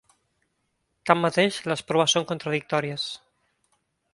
Tanmateix, les proves són contradictòries.